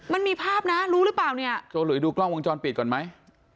มันมีภาพนะโจรหลุยดูกล้องวงจรปิดก่อนไหม